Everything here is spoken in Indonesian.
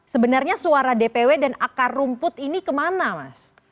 sebenarnya suara dpw dan akar rumput ini kemana mas